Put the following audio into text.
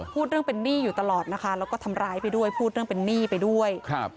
พูดเรื่องเป็นหนี้อยู่ตลอดนะคะแล้วก็ทำร้ายไปด้วยพูดเรื่องเป็นหนี้ไปด้วยครับ